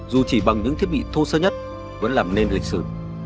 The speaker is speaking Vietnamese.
dù chỉ bằng những thiết bị thô sơ nhất vẫn làm nên lịch sử